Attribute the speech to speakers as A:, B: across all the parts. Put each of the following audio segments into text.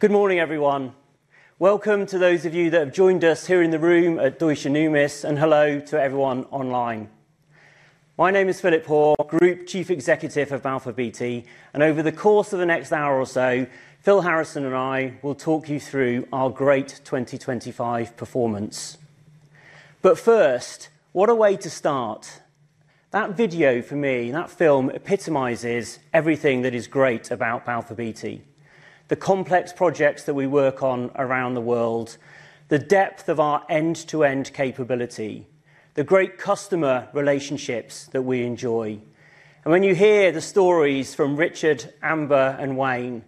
A: Good morning, everyone. Welcome to those of you that have joined us here in the room at Deutsche Numis, and hello to everyone online. My name is Philip Hoare, Group Chief Executive of Balfour Beatty. Over the course of the next hour or so, Phil Harrison and I will talk you through our great 2025 performance. First, what a way to start. That video for me, that film epitomizes everything that is great about Balfour Beatty. The complex projects that we work on around the world, the depth of our end-to-end capability, the great customer relationships that we enjoy. When you hear the stories from Richard, Amber, and Wayne,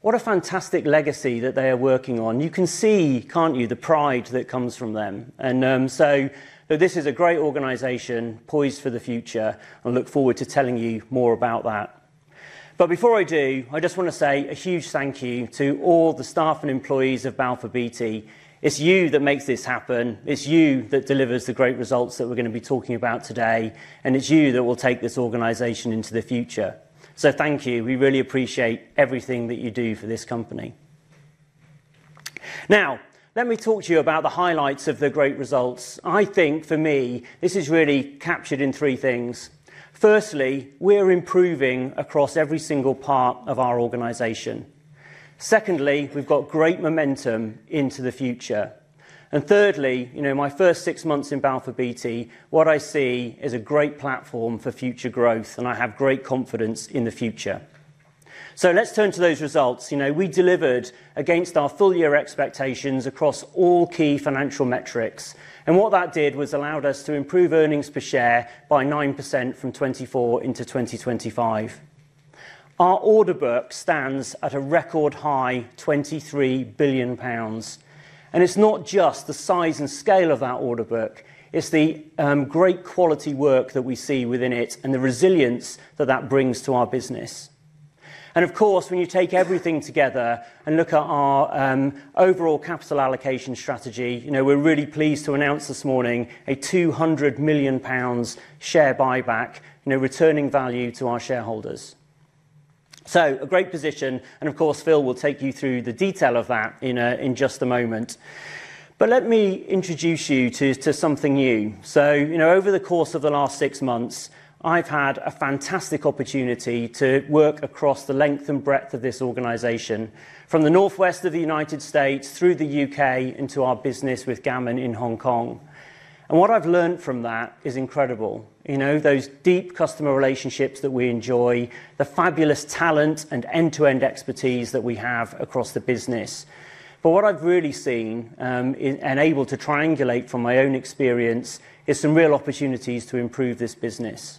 A: what a fantastic legacy that they are working on. You can see, can't you, the pride that comes from them. This is a great organization poised for the future. I look forward to telling you more about that. Before I do, I just wanna say a huge thank you to all the staff and employees of Balfour Beatty. It's you that makes this happen, it's you that delivers the great results that we're gonna be talking about today, and it's you that will take this organization into the future. Thank you. We really appreciate everything that you do for this company. Now, let me talk to you about the highlights of the great results. I think for me, this is really captured in three things. Firstly, we're improving across every single part of our organization. Secondly, we've got great momentum into the future. Thirdly, you know, my first six months in Balfour Beatty, what I see is a great platform for future growth, and I have great confidence in the future. Let's turn to those results. You know, we delivered against our full year expectations across all key financial metrics. What that did was allowed us to improve earnings per share by 9% from 2024 into 2025. Our order book stands at a record high 23 billion pounds. It's not just the size and scale of that order book, it's the great quality work that we see within it and the resilience that that brings to our business. Of course, when you take everything together and look at our overall capital allocation strategy, you know, we're really pleased to announce this morning a 200 million pounds share buyback, you know, returning value to our shareholders. A great position, and of course, Phil will take you through the detail of that in just a moment. Let me introduce you to something new. You know, over the course of the last six months, I've had a fantastic opportunity to work across the length and breadth of this organization from the northwest of the United States through the U.K. into our business with Gammon in Hong Kong. What I've learned from that is incredible. You know, those deep customer relationships that we enjoy, the fabulous talent and end-to-end expertise that we have across the business. What I've really seen and able to triangulate from my own experience is some real opportunities to improve this business.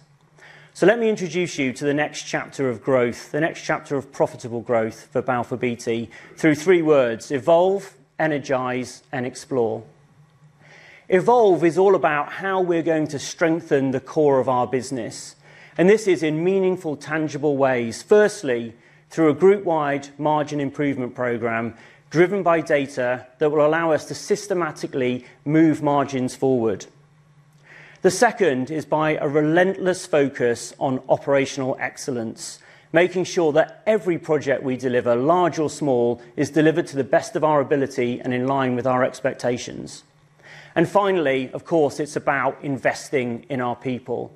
A: Let me introduce you to the next chapter of growth, the next chapter of profitable growth for Balfour Beatty through three words. Evolve, Energize, and Explore. Evolve is all about how we're going to strengthen the core of our business, and this is in meaningful, tangible ways. Firstly, through a group wide margin improvement program driven by data that will allow us to systematically move margins forward. The second is by a relentless focus on operational excellence, making sure that every project we deliver, large or small, is delivered to the best of our ability and in line with our expectations. Finally, of course, it's about investing in our people.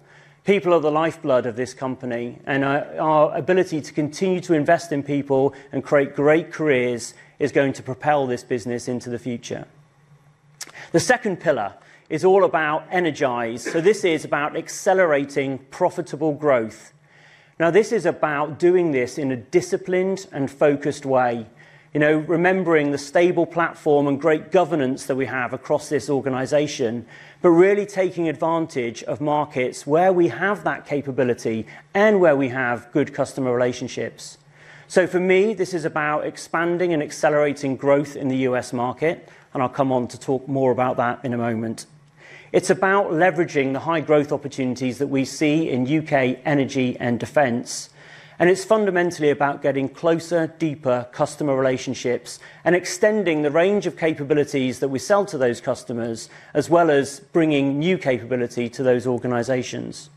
A: People are the lifeblood of this company, and our ability to continue to invest in people and create great careers is going to propel this business into the future. The second pillar is all about energize. This is about accelerating profitable growth. Now, this is about doing this in a disciplined and focused way. You know, remembering the stable platform and great governance that we have across this organization, but really taking advantage of markets where we have that capability and where we have good customer relationships. For me, this is about expanding and accelerating growth in the U.S. market, and I'll come on to talk more about that in a moment. It's about leveraging the high growth opportunities that we see in U.K. energy and defense. It's fundamentally about getting closer, deeper customer relationships and extending the range of capabilities that we sell to those customers, as well as bringing new capability to those organizations.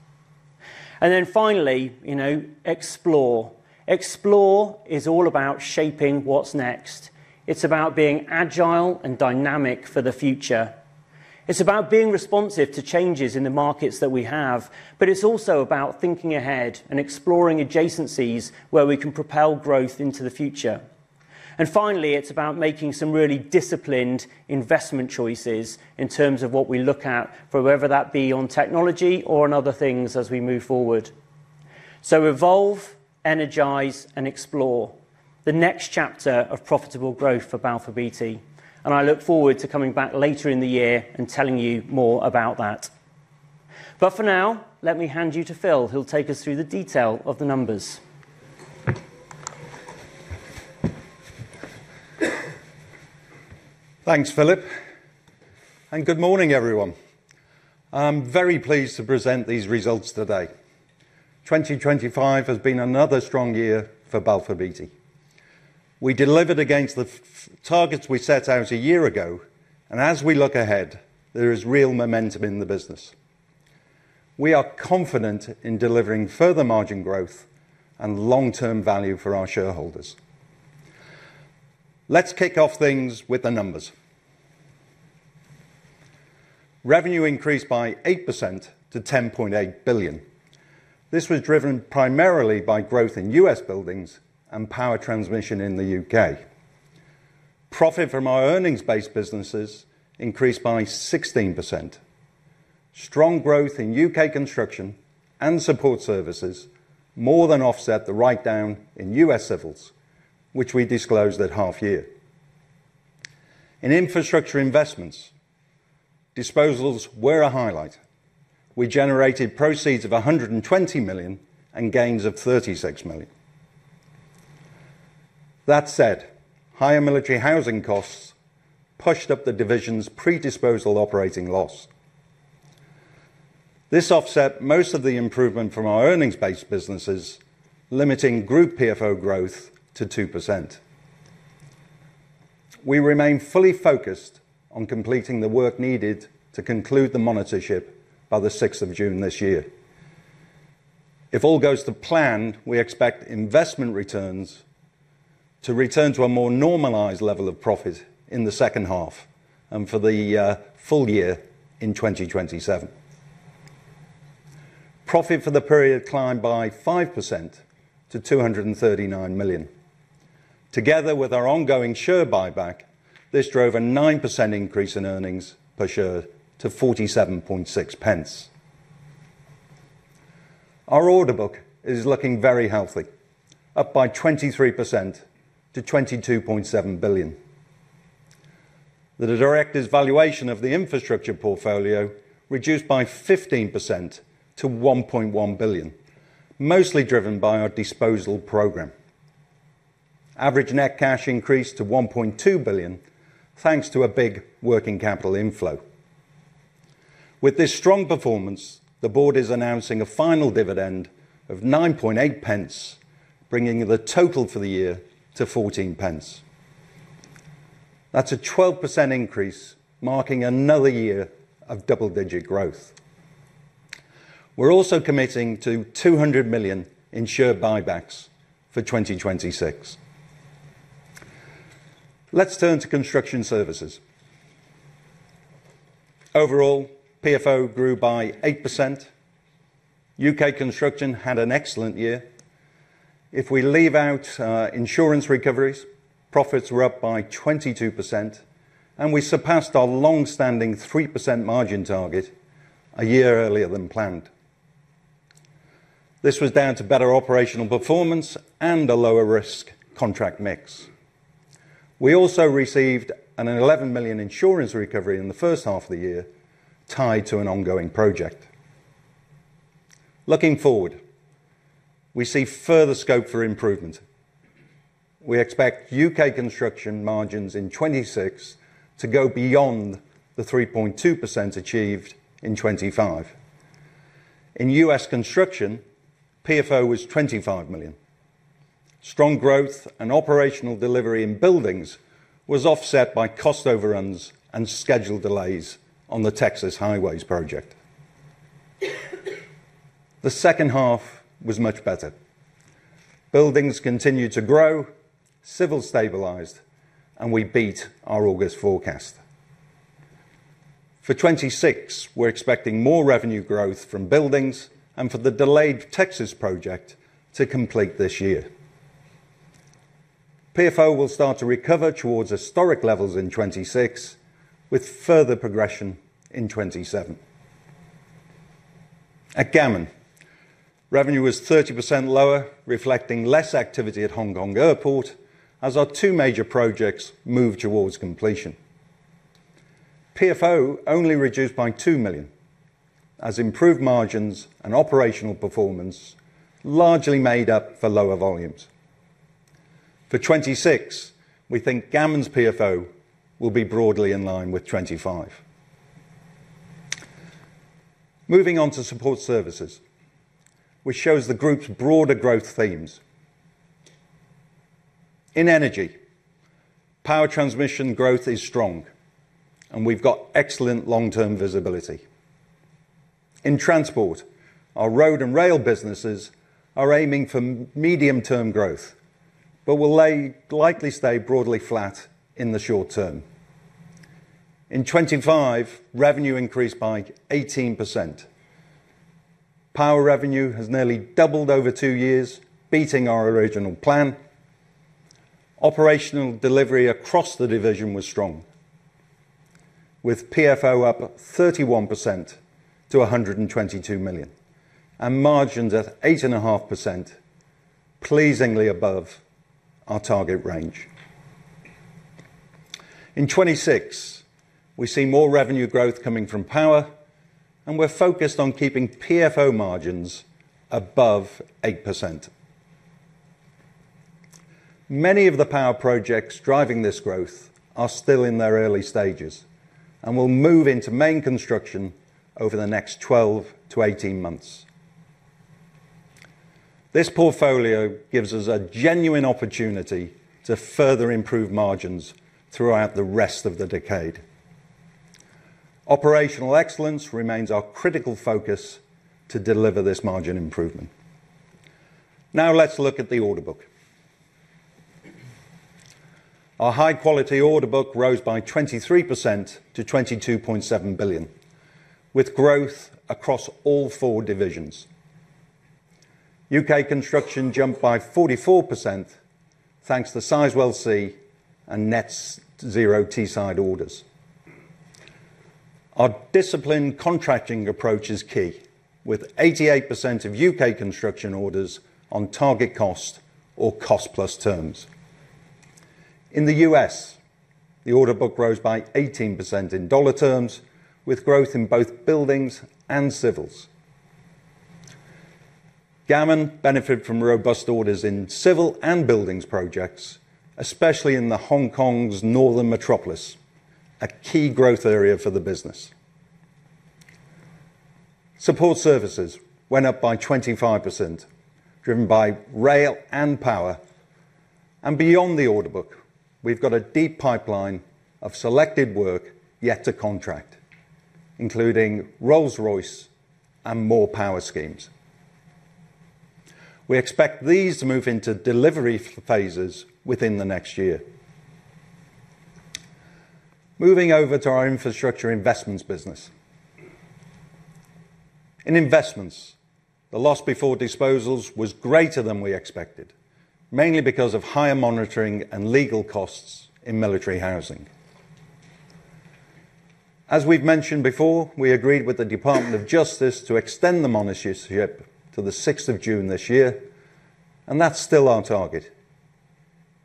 A: Then finally, you know, explore. Explore is all about shaping what's next. It's about being agile and dynamic for the future. It's about being responsive to changes in the markets that we have, but it's also about thinking ahead and exploring adjacencies where we can propel growth into the future. Finally, it's about making some really disciplined investment choices in terms of what we look at, for whether that be on technology or on other things as we move forward. Evolve, Energize, and Explore, the next chapter of profitable growth for Balfour Beatty. I look forward to coming back later in the year and telling you more about that. For now, let me hand you to Phil, who'll take us through the detail of the numbers.
B: Thanks, Philip. Good morning, everyone. I'm very pleased to present these results today. 2025 has been another strong year for Balfour Beatty. We delivered against the targets we set out a year ago, and as we look ahead, there is real momentum in the business. We are confident in delivering further margin growth and long-term value for our shareholders. Let's kick off things with the numbers. Revenue increased by 8% to 10.8 billion. This was driven primarily by growth in U.S. buildings and power transmission in the U.K. Profit from our earnings-based businesses increased by 16%. Strong growth in U.K. construction and support services more than offset the write-down in U.S. civils, which we disclosed at half year. In infrastructure investments, disposals were a highlight. We generated proceeds of 120 million and gains of 36 million. That said, higher military housing costs pushed up the division's pre-disposal operating loss. This offset most of the improvement from our earnings-based businesses, limiting group PFO growth to 2%. We remain fully focused on completing the work needed to conclude the monitorship by the sixth of June this year. If all goes to plan, we expect investment returns to return to a more normalized level of profit in the second half and for the full year in 2027. Profit for the period climbed by 5% to 239 million. Together with our ongoing share buyback, this drove a 9% increase in earnings per share to 47.6, Our order book is looking very healthy, up by 23% to 22.7 billion. The Directors' valuation of the infrastructure portfolio reduced by 15% to 1.1 billion, mostly driven by our disposal program. Average net cash increased to 1.2 billion, thanks to a big working capital inflow. With this strong performance, the board is announcing a final dividend of 0.098, bringing the total for the year to 0.14. That's a 12% increase, marking another year of double-digit growth. We're also committing to 200 million in share buybacks for 2026. Let's turn to construction services. Overall, PFO grew by 8%. U.K. construction had an excellent year. If we leave out, insurance recoveries, profits were up by 22%, and we surpassed our long-standing 3% margin target a year earlier than planned. This was down to better operational performance and a lower risk contract mix. We also received a 11 million insurance recovery in the first half of the year tied to an ongoing project. Looking forward, we see further scope for improvement. We expect U.K. construction margins in 2026 to go beyond the 3.2% achieved in 2025. In U.S., construction, PFO was 25 million. Strong growth and operational delivery in buildings was offset by cost overruns and schedule delays on the Texas Highways project. The second half was much better. Buildings continued to grow, civil stabilized, and we beat our August forecast. For 2026, we're expecting more revenue growth from buildings and for the delayed Texas project to complete this year. PFO will start to recover towards historic levels in 2026, with further progression in 2027. At Gammon, revenue was 30% lower, reflecting less activity at Hong Kong Airport as our two major projects moved towards completion. PFO only reduced by 2 million as improved margins and operational performance largely made up for lower volumes. For 2026, we think Gammon's PFO will be broadly in line with 2025. Moving on to support services, which shows the group's broader growth themes. In energy, power transmission growth is strong, and we've got excellent long-term visibility. In transport, our road and rail businesses are aiming for medium-term growth, but will likely stay broadly flat in the short term. In 2025, revenue increased by 18%. Power revenue has nearly doubled over two years, beating our original plan. Operational delivery across the division was strong, with PFO up 31% to 122 million and margins at 8.5%, pleasingly above our target range. In 2026, we see more revenue growth coming from power, and we're focused on keeping PFO margins above 8%. Many of the power projects driving this growth are still in their early stages and will move into main construction over the next 12-18 months. This portfolio gives us a genuine opportunity to further improve margins throughout the rest of the decade. Operational excellence remains our critical focus to deliver this margin improvement. Now let's look at the order book. Our high-quality order book rose by 23% to 22.7 billion, with growth across all four divisions. U.K. construction jumped by 44% thanks to Sizewell C and NetZero Teesside orders. Our disciplined contracting approach is key, with 88% of U.K. construction orders on target cost or cost-plus terms. In the U.S., the order book rose by 18% in dollar terms, with growth in both buildings and civils. Gammon benefited from robust orders in civil and buildings projects, especially in the Hong Kong's northern metropolis, a key growth area for the business. Support services went up by 25%, driven by rail and power. Beyond the order book, we've got a deep pipeline of selected work yet to contract, including Rolls-Royce and more power schemes. We expect these to move into delivery phases within the next year. Moving over to our infrastructure investments business. In investments, the loss before disposals was greater than we expected, mainly because of higher monitorship and legal costs in military housing. As we've mentioned before, we agreed with the Department of Justice to extend the monitorship to the sixth of June this year, and that's still our target.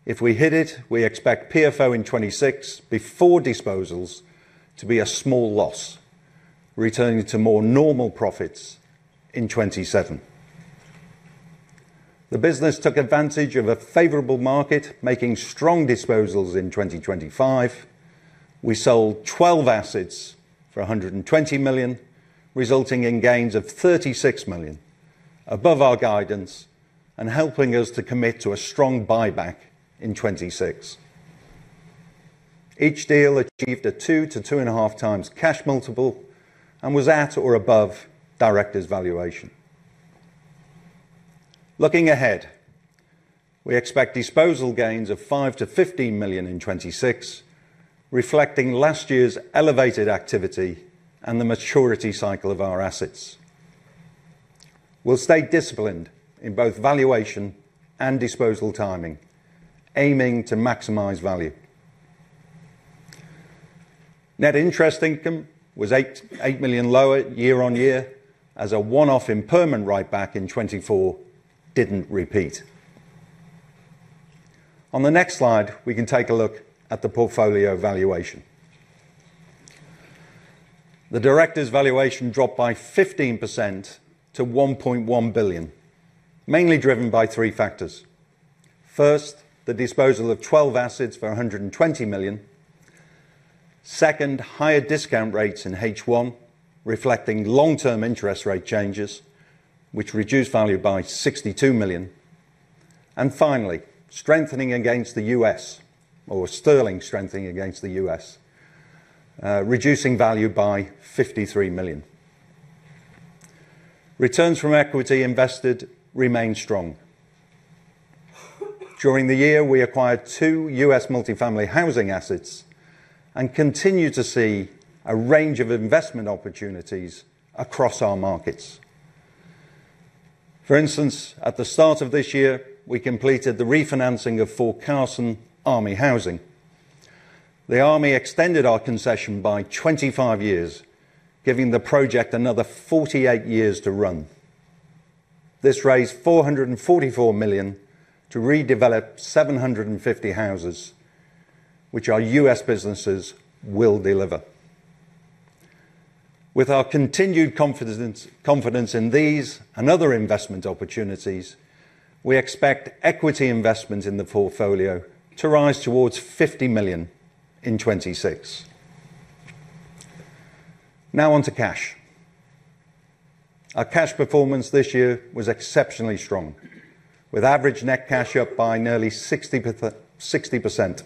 B: If we hit it, we expect PFO in 2026 before disposals to be a small loss, returning to more normal profits in 2027. The business took advantage of a favorable market, making strong disposals in 2025. We sold 12 assets for 120 million, resulting in gains of 36 million above our guidance and helping us to commit to a strong buyback in 2026. Each deal achieved a 2 to 2.5 times cash multiple and was at or above directors' valuation. Looking ahead, we expect disposal gains of 5 million-15 million in 2026, reflecting last year's elevated activity and the maturity cycle of our assets. We'll stay disciplined in both valuation and disposal timing, aiming to maximize value. Net interest income was 88 million lower year-on-year as a one-off impairment write-back in 2024 didn't repeat. On the next slide, we can take a look at the portfolio valuation. The directors' valuation dropped by 15% to 1.1 billion, mainly driven by three factors. First, the disposal of 12 assets for 120 million. Second, higher discount rates in H1 reflecting long-term interest rate changes, which reduced value by 62 million. Finally, sterling strengthening against the US dollar, reducing value by 53 million. Returns from equity invested remain strong. During the year, we acquired two U.S., multifamily housing assets and continue to see a range of investment opportunities across our markets. For instance, at the start of this year, we completed the refinancing of Fort Carson Army housing. The Army extended our concession by 25 years, giving the project another 48 years to run. This raised $444 million to redevelop 750 houses, which our U.S., businesses will deliver. With our continued confidence in these and other investment opportunities, we expect equity investment in the portfolio to rise towards 50 million in 2026. Now on to cash. Our cash performance this year was exceptionally strong, with average net cash up by nearly 60%,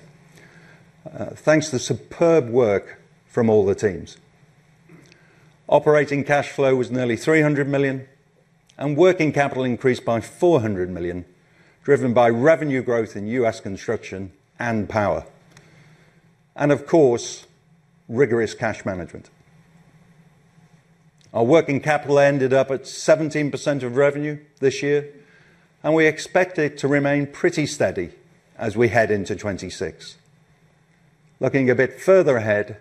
B: thanks to superb work from all the teams. Operating cash flow was nearly 300 million, and working capital increased by 400 million, driven by revenue growth in US construction and power, and of course, rigorous cash management. Our working capital ended up at 17% of revenue this year, and we expect it to remain pretty steady as we head into 2026. Looking a bit further ahead,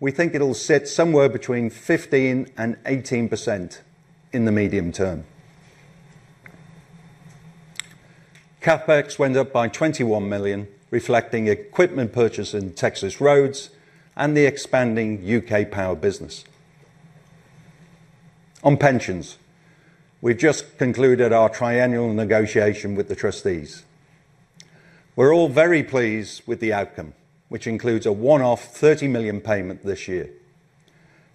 B: we think it'll sit somewhere between 15% and 18% in the medium term. CapEx went up by 21 million, reflecting equipment purchase in Texas roads and the expanding U.K. power business. On pensions, we just concluded our triennial negotiation with the trustees. We're all very pleased with the outcome, which includes a one-off 30 million payment this year.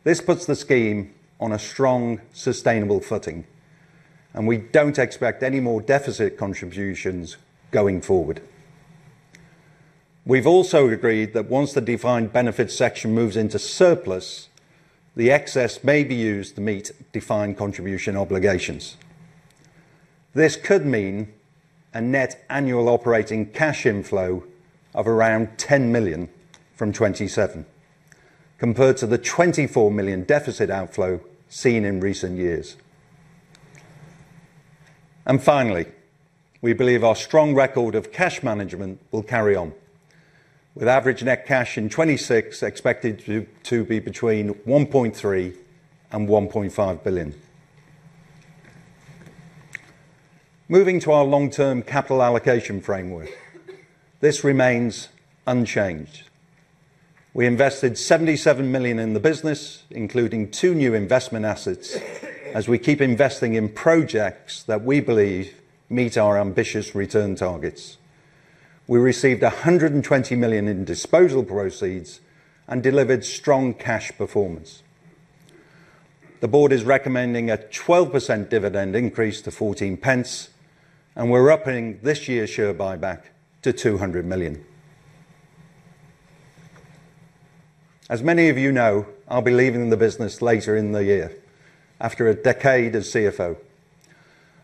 B: This puts the scheme on a strong, sustainable footing, and we don't expect any more deficit contributions going forward. We've also agreed that once the defined benefit section moves into surplus, the excess may be used to meet defined contribution obligations. This could mean a net annual operating cash inflow of around 10 million from 2027, compared to the 24 million deficit outflow seen in recent years. Finally, we believe our strong record of cash management will carry on, with average net cash in 2026 expected to be between 1.3 billion and 1.5 billion. Moving to our long-term capital allocation framework. This remains unchanged. We invested 77 million in the business, including two new investment assets, as we keep investing in projects that we believe meet our ambitious return targets. We received 120 million in disposal proceeds and delivered strong cash performance. The board is recommending a 12% dividend increase to 0.14, and we're upping this year's share buyback to 200 million. As many of you know, I'll be leaving the business later in the year after a decade as Chief Financial Officer.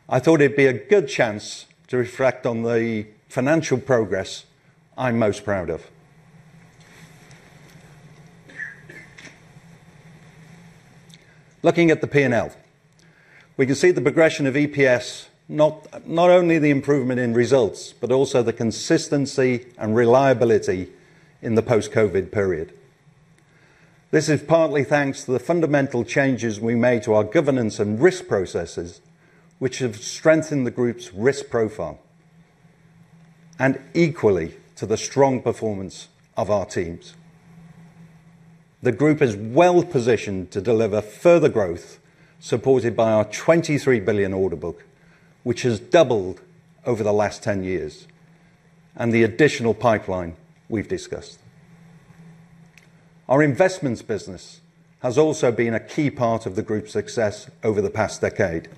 B: I thought it'd be a good chance to reflect on the financial progress I'm most proud of. Looking at the P&L, we can see the progression of EPS, not only the improvement in results, but also the consistency and reliability in the post-COVID period. This is partly thanks to the fundamental changes we made to our governance and risk processes, which have strengthened the group's risk profile. Equally, to the strong performance of our teams. The group is well-positioned to deliver further growth, supported by our 23 billion order book, which has doubled over the last 10 years, and the additional pipeline we've discussed. Our investments business has also been a key part of the group's success over the past decade.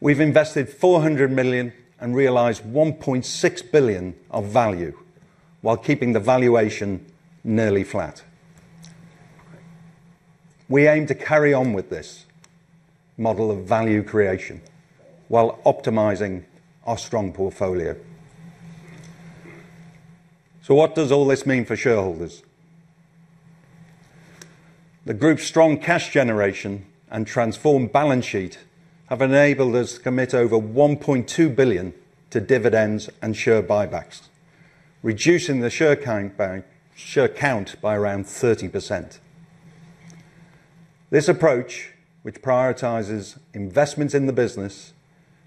B: We've invested 400 million and realized 1.6 billion of value while keeping the valuation nearly flat. We aim to carry on with this model of value creation while optimizing our strong portfolio. What does all this mean for shareholders? The group's strong cash generation and transformed balance sheet have enabled us to commit over 1.2 billion to dividends and share buybacks, reducing the share count by around 30%. This approach, which prioritizes investments in the business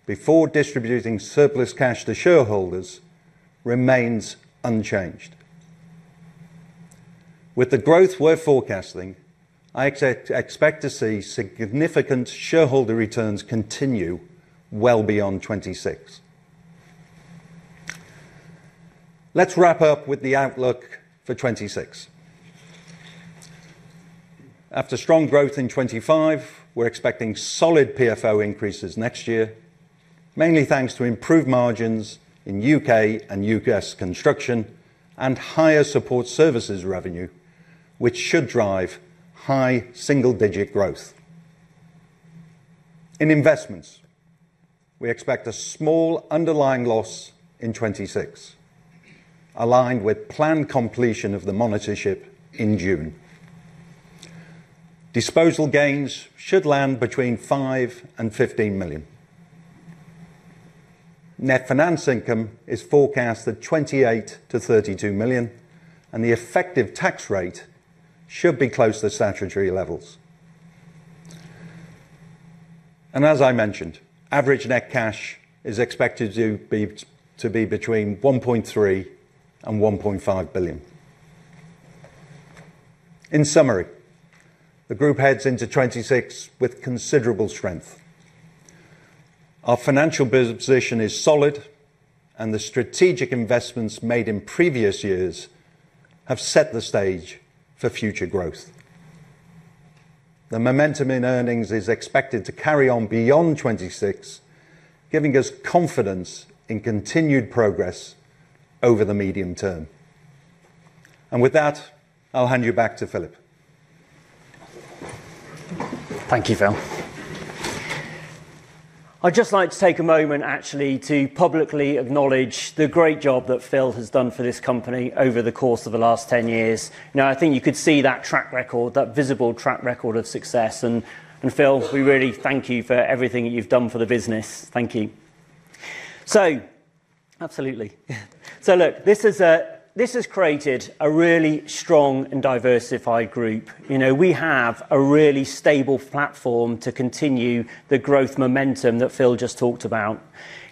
B: before distributing surplus cash to shareholders, remains unchanged. With the growth we're forecasting, I expect to see significant shareholder returns continue well beyond 2026. Let's wrap up with the outlook for 2026. After strong growth in 2025, we're expecting solid PFO increases next year, mainly thanks to improved margins in U.K. and U.S., construction and higher support services revenue, which should drive high single-digit growth. In investments, we expect a small underlying loss in 2026, aligned with planned completion of the monitorship in June. Disposal gains should land between 5 million and 15 million. Net finance income is forecast at 28 million-32 million, and the effective tax rate should be close to statutory levels. As I mentioned, average net cash is expected to be between 1.3 billion and 1.5 billion. In summary, the group heads into 2026 with considerable strength. Our financial business position is solid, and the strategic investments made in previous years have set the stage for future growth. The momentum in earnings is expected to carry on beyond 2026, giving us confidence in continued progress over the medium term. With that, I'll hand you back to Philip.
A: Thank you, Phil. I'd just like to take a moment, actually to publicly acknowledge the great job that Phil has done for this company over the course of the last 10 years. Now, I think you could see that track record, that visible track record of success. Phil, we really thank you for everything that you've done for the business. Thank you. Absolutely. Look, this has created a really strong and diversified group. You know, we have a really stable platform to continue the growth momentum that Phil just talked about.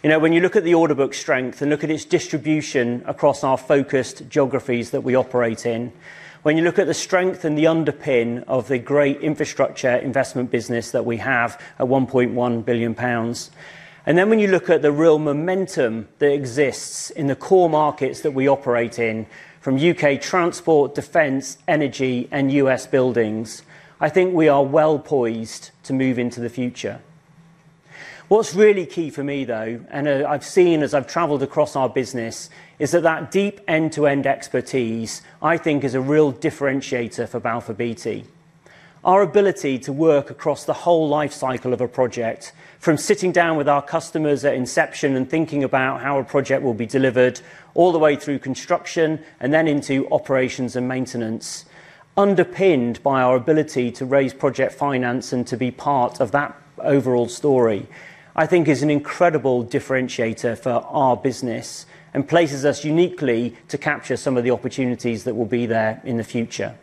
A: You know, when you look at the order book strength and look at its distribution across our focused geographies that we operate in, when you look at the strength and the underpin of the great infrastructure investment business that we have at 1.1 billion pounds, and then when you look at the real momentum that exists in the core markets that we operate in from U.K. transport, defense, energy, and U.S., buildings, I think we are well-poised to move into the future. What's really key for me, though, and, I've seen as I've traveled across our business, is that deep end-to-end expertise, I think is a real differentiator for Balfour Beatty. Our ability to work across the whole life cycle of a project, from sitting down with our customers at inception and thinking about how a project will be delivered all the way through construction and then into operations and maintenance, underpinned by our ability to raise project finance and to be part of that overall story, I think is an incredible differentiator for our business and places us uniquely to capture some of the opportunities that will be there in the future.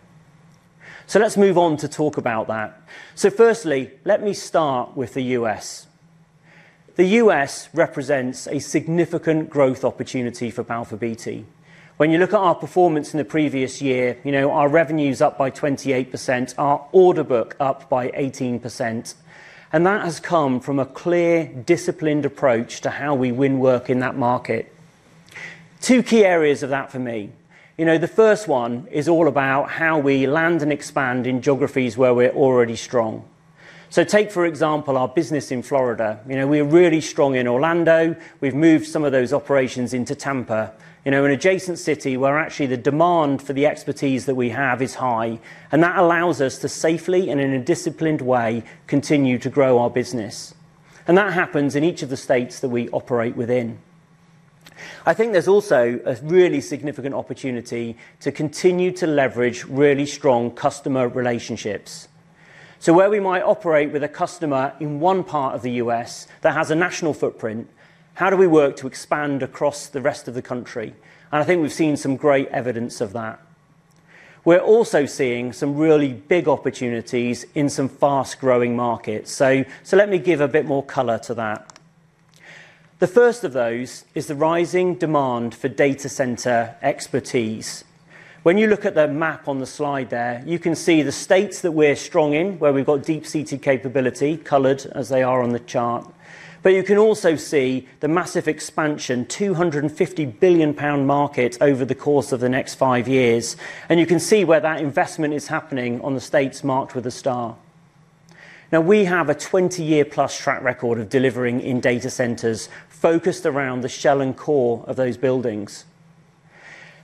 A: Let's move on to talk about that. Firstly, let me start with the U.S., The U.S., represents a significant growth opportunity for Balfour Beatty. When you look at our performance in the previous year, you know, our revenue's up by 28%, our order book up by 18%, and that has come from a clear, disciplined approach to how we win work in that market. Two key areas of that for me. You know, the first one is all about how we land and expand in geographies where we're already strong. Take, for example, our business in Florida. You know, we're really strong in Orlando. We've moved some of those operations into Tampa. You know, an adjacent city where actually the demand for the expertise that we have is high, and that allows us to safely and in a disciplined way, continue to grow our business. That happens in each of the states that we operate within. I think there's also a really significant opportunity to continue to leverage really strong customer relationships. Where we might operate with a customer in one part of the U.S., that has a national footprint, how do we work to expand across the rest of the country? I think we've seen some great evidence of that. We're also seeing some really big opportunities in some fast-growing markets. Let me give a bit more color to that. The first of those is the rising demand for data center expertise. When you look at the map on the slide there, you can see the states that we're strong in, where we've got deep-seated capability, colored as they are on the chart. You can also see the massive expansion, 250 billion pound market over the course of the next five-years, and you can see where that investment is happening on the states marked with a star. Now, we have a 20-year-plus track record of delivering in data centers focused around the shell and core of those buildings.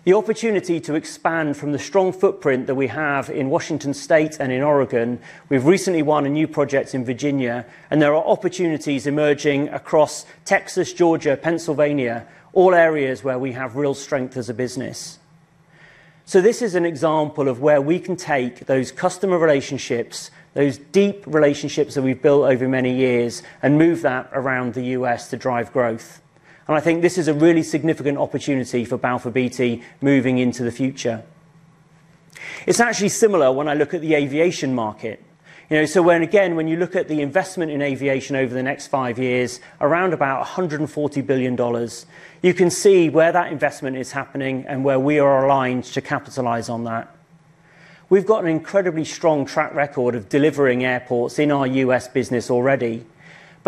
A: The opportunity to expand from the strong footprint that we have in Washington State and in Oregon, we've recently won a new project in Virginia, and there are opportunities emerging across Texas, Georgia, Pennsylvania, all areas where we have real strength as a business. This is an example of where we can take those customer relationships, those deep relationships that we've built over many years and move that around the U.S., to drive growth. I think this is a really significant opportunity for Balfour Beatty moving into the future. It's actually similar when I look at the aviation market. You know, when, again, you look at the investment in aviation over the next five years, around about $140 billion, you can see where that investment is happening and where we are aligned to capitalize on that. We've got an incredibly strong track record of delivering airports in our U.S., business already.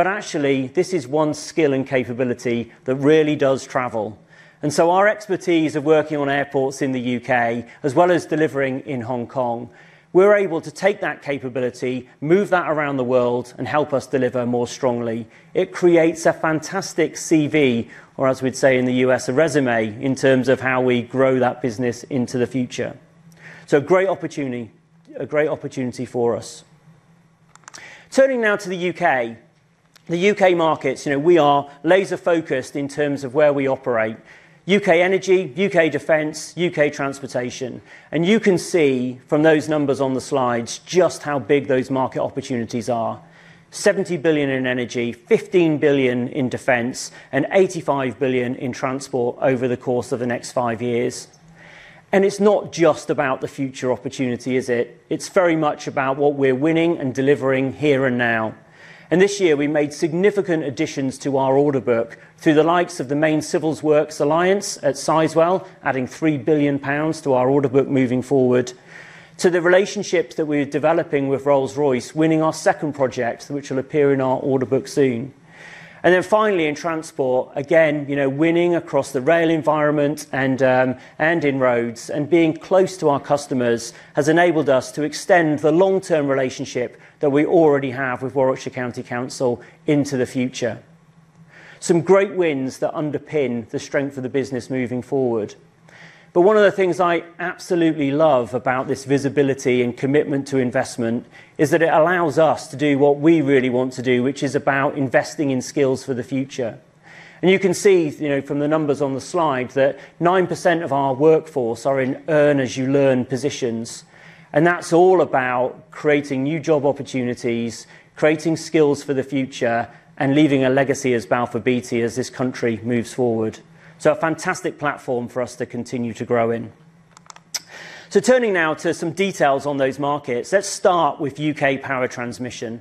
A: Actually, this is one skill and capability that really does travel. Our expertise of working on airports in the U.K. as well as delivering in Hong Kong, we're able to take that capability, move that around the world and help us deliver more strongly. It creates a fantastic CV, or as we'd say in the U.S., a resume, in terms of how we grow that business into the future. A great opportunity for us. Turning now to the U.K. The U.K. markets, you know, we are laser-focused in terms of where we operate. U.K. energy, U.K. defense, U.K. transportation. You can see from those numbers on the slides just how big those market opportunities are. 70 billion in energy, 15 billion in defense, and 85 billion in transport over the course of the next five-years. It's not just about the future opportunity, is it? It's very much about what we're winning and delivering here and now. This year, we made significant additions to our order book through the likes of the Main Civil Works alliance at Sizewell, adding 3 billion pounds to our order book moving forward. To the relationships that we're developing with Rolls-Royce, winning our second project, which will appear in our order book soon. Then finally, in transport, again, you know, winning across the rail environment and in roads and being close to our customers has enabled us to extend the long-term relationship that we already have with Warwickshire County Council into the future. Some great wins that underpin the strength of the business moving forward. One of the things I absolutely love about this visibility and commitment to investment is that it allows us to do what we really want to do, which is about investing in skills for the future. You can see, you know, from the numbers on the slide, that 9% of our workforce are in earn-as-you-learn positions. That's all about creating new job opportunities, creating skills for the future, and leaving a legacy as Balfour Beatty as this country moves forward. A fantastic platform for us to continue to grow in. Turning now to some details on those markets. Let's start with U.K. power transmission.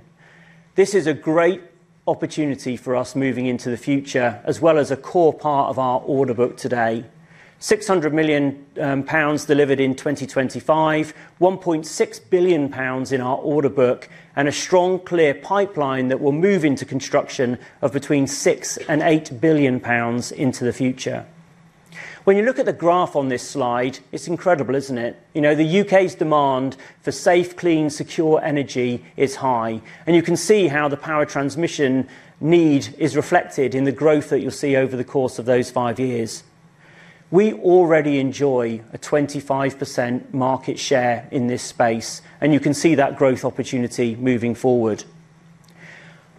A: This is a great opportunity for us moving into the future, as well as a core part of our order book today. 600 million pounds delivered in 2025, 1.6 billion pounds in our order book, and a strong, clear pipeline that will move into construction of between 6 billion and 8 billion pounds into the future. When you look at the graph on this slide, it's incredible, isn't it? You know, the U.K.'s demand for safe, clean, secure energy is high. You can see how the power transmission need is reflected in the growth that you'll see over the course of those five years. We already enjoy a 25% market share in this space, and you can see that growth opportunity moving forward.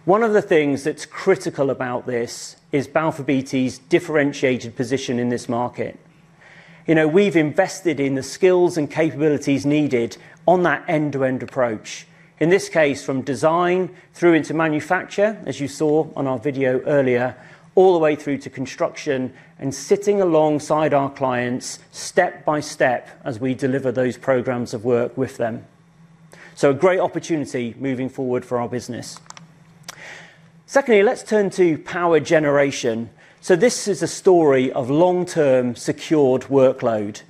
A: One of the things that's critical about this is Balfour Beatty's differentiated position in this market. You know, we've invested in the skills and capabilities needed on that end-to-end approach, in this case, from design through into manufacture, as you saw on our video earlier, all the way through to construction and sitting alongside our clients step by step as we deliver those programs of work with them. A great opportunity moving forward for our business. Secondly, let's turn to power generation. This is a story of long-term secured workload.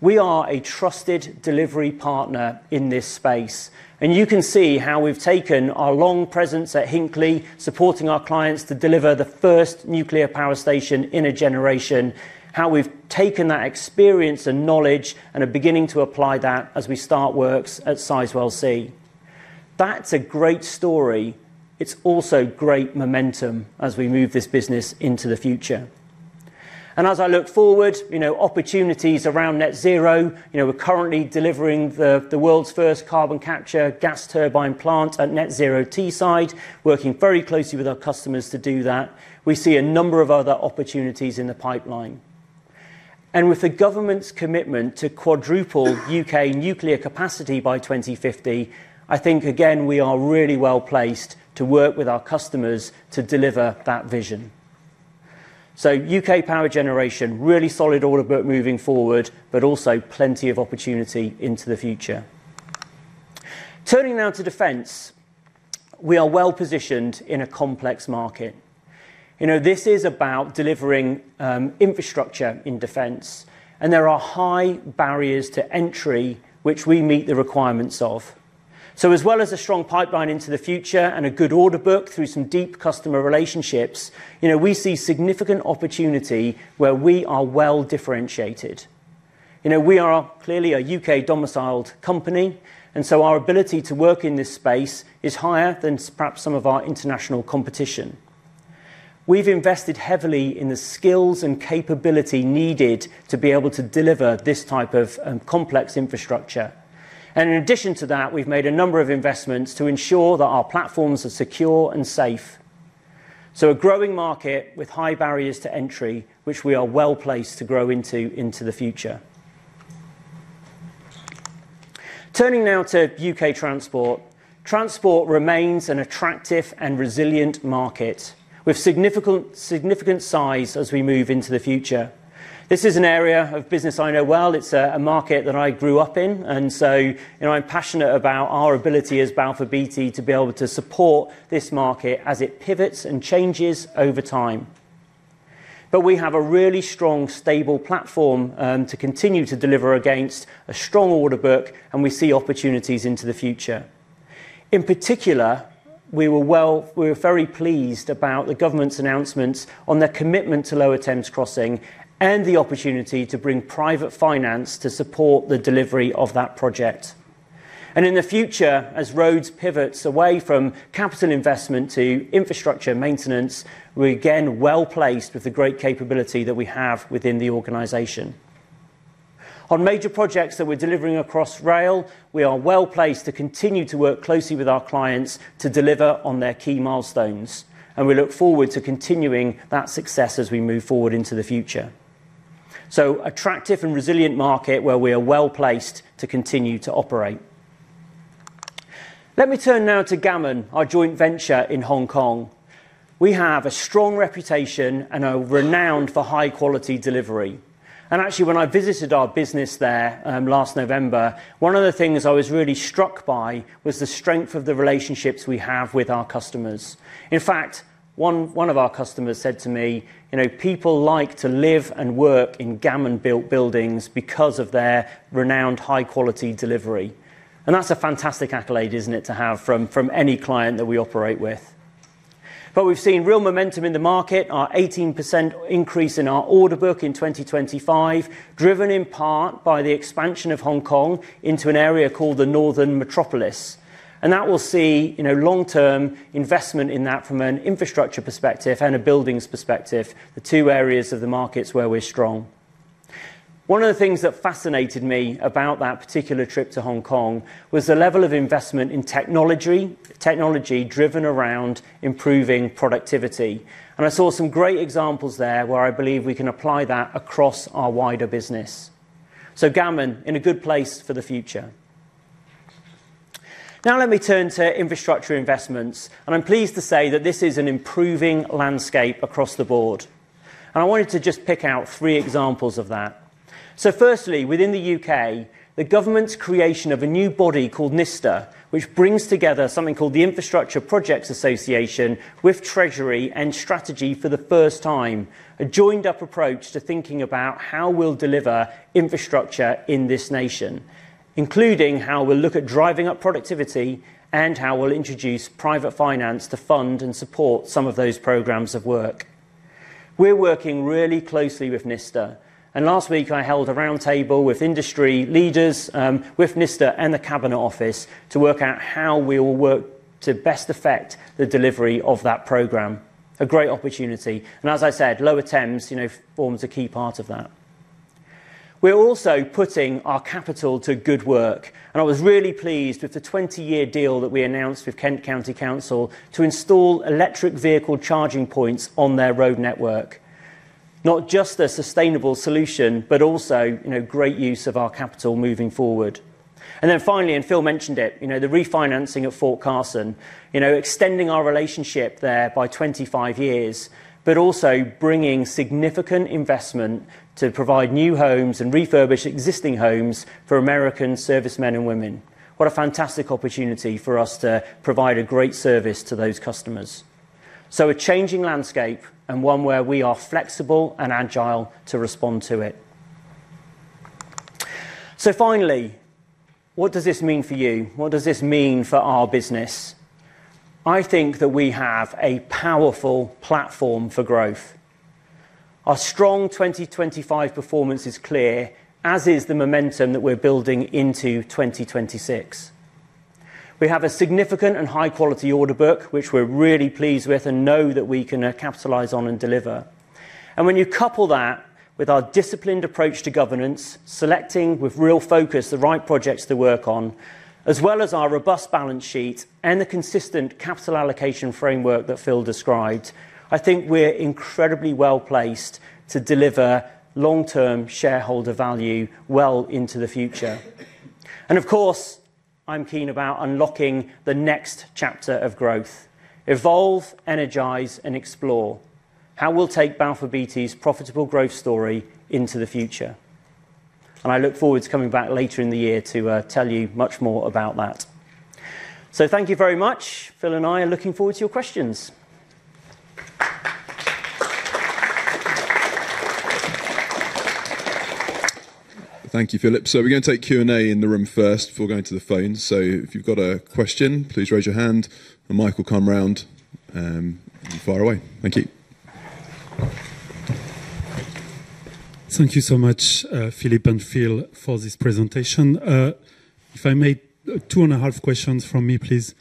A: We are a trusted delivery partner in this space, and you can see how we've taken our long presence at Hinkley, supporting our clients to deliver the first nuclear power station in a generation, how we've taken that experience and knowledge and are beginning to apply that as we start works at Sizewell C. That's a great story. It's also great momentum as we move this business into the future. As I look forward, you know, opportunities around net zero, you know, we're currently delivering the world's first carbon capture gas turbine plant at Net Zero Teesside, working very closely with our customers to do that. We see a number of other opportunities in the pipeline. With the government's commitment to quadruple U.K. nuclear capacity by 2050, I think again, we are really well-placed to work with our customers to deliver that vision. U.K. power generation, really solid order book moving forward, but also plenty of opportunity into the future. Turning now to defense. We are well-positioned in a complex market. You know, this is about delivering infrastructure in defense, and there are high barriers to entry which we meet the requirements of. As well as a strong pipeline into the future and a good order book through some deep customer relationships, you know, we see significant opportunity where we are well-differentiated. You know, we are clearly a U.K. Domiciled company, and so our ability to work in this space is higher than perhaps some of our international competition. We've invested heavily in the skills and capability needed to be able to deliver this type of, complex infrastructure. In addition to that, we've made a number of investments to ensure that our platforms are secure and safe. A growing market with high barriers to entry, which we are well-placed to grow into the future. Turning now to U.K. transport. Transport remains an attractive and resilient market with significant size as we move into the future. This is an area of business I know well. It's a market that I grew up in, and so, you know, I'm passionate about our ability as Balfour Beatty to be able to support this market as it pivots and changes over time. But we have a really strong, stable platform to continue to deliver against a strong order book, and we see opportunities into the future. In particular, we were very pleased about the government's announcements on their commitment to Lower Thames Crossing and the opportunity to bring private finance to support the delivery of that project. In the future, as roads pivot away from capital investment to infrastructure maintenance, we're again well-placed with the great capability that we have within the organization. On major projects that we're delivering across rail, we are well-placed to continue to work closely with our clients to deliver on their key milestones, and we look forward to continuing that success as we move forward into the future. Attractive and resilient market where we are well-placed to continue to operate. Let me turn now to Gammon, our joint venture in Hong Kong. We have a strong reputation and are renowned for high-quality delivery. Actually, when I visited our business there, last November, one of the things I was really struck by was the strength of the relationships we have with our customers. In fact, one of our customers said to me, "You know, people like to live and work in Gammon-built buildings because of their renowned high-quality delivery." That's a fantastic accolade, isn't it, to have from any client that we operate with. We've seen real momentum in the market. Our 18% increase in our order book in 2025, driven in part by the expansion of Hong Kong into an area called the Northern Metropolis. That will see, you know, long-term investment in that from an infrastructure perspective and a buildings perspective, the two areas of the markets where we're strong. One of the things that fascinated me about that particular trip to Hong Kong was the level of investment in technology driven around improving productivity. I saw some great examples there where I believe we can apply that across our wider business. Gammon, in a good place for the future. Now let me turn to infrastructure investments, and I'm pleased to say that this is an improving landscape across the board. I wanted to just pick out three examples of that. Firstly, within the U.K., the government's creation of a new body called NISTA, which brings together something called the Infrastructure Projects Association with Treasury and Strategy for the first time, a joined-up approach to thinking about how we'll deliver infrastructure in this nation, including how we'll look at driving up productivity and how we'll introduce private finance to fund and support some of those programs of work. We're working really closely with NISTA. Last week I held a roundtable with industry leaders, with NISTA and the Cabinet Office to work out how we will work to best effect the delivery of that program. A great opportunity. As I said, Lower Thames, you know, forms a key part of that. We're also putting our capital to good work. I was really pleased with the 20 years deal that we announced with Kent County Council to install electric vehicle charging points on their road network. Not just a sustainable solution, but also, you know, great use of our capital moving forward. Then finally, and Phil mentioned it, you know, the refinancing of Fort Carson. You know, extending our relationship there by 25 years, but also bringing significant investment to provide new homes and refurbish existing homes for American servicemen and women. What a fantastic opportunity for us to provide a great service to those customers. A changing landscape and one where we are flexible and agile to respond to it. Finally, what does this mean for you? What does this mean for our business? I think that we have a powerful platform for growth. Our strong 2025 performance is clear, as is the momentum that we're building into 2026. We have a significant and high-quality order book, which we're really pleased with and know that we can capitalize on and deliver. When you couple that with our disciplined approach to governance, selecting with real focus the right projects to work on, as well as our robust balance sheet and the consistent capital allocation framework that Phil described, I think we're incredibly well-placed to deliver long-term shareholder value well into the future. Of course, I'm keen about unlocking the next chapter of growth. Evolve, Energize, and Explore. How we'll take Balfour Beatty's profitable growth story into the future. I look forward to coming back later in the year to tell you much more about that. Thank you very much. Phil and I are looking forward to your questions.
C: Thank you, Philip. We're gonna take Q&A in the room first before going to the phone. If you've got a question, please raise your hand, a mic will come round, and fire away. Thank you.
D: Thank you so much, Philip and Phil, for this presentation. If I may, two and a half questions from me, please.